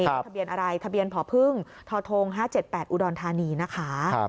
ทะเบียนอะไรทะเบียนผอพึ่งทท๕๗๘อุดรธานีนะคะ